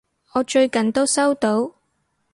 我最近都收到！